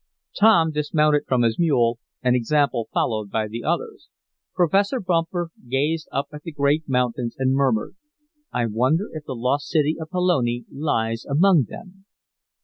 Tom dismounted from his mule, an example followed by the others. Professor Bumper gazed up at the great mountains and murmured: "I wonder if the lost city of Pelone lies among them?"